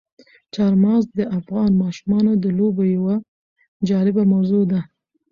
چار مغز د افغان ماشومانو د لوبو یوه جالبه موضوع ده.